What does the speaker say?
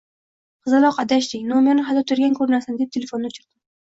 Qizaloq, adashding, nomerni xato tergan ko'rinasan, deb telefonni o'chirdim